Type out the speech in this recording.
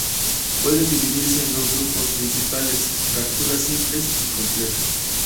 Pueden dividirse en dos grupos principales, fracturas simples y complejas.